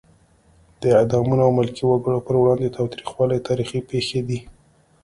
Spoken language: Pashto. د اعدامونو او ملکي وګړو پر وړاندې تاوتریخوالی تاریخي پېښې دي.